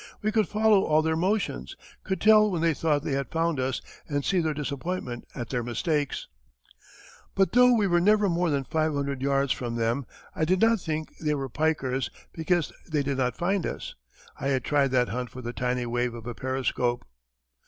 We could follow all their motions, could tell when they thought they had found us and see their disappointment at their mistakes, but though we were never more than five hundred yards from them, I did not think they were pikers because they did not find us. I had tried that hunt for the tiny wave of a periscope.